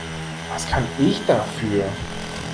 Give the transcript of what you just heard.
Was kann ich dafür?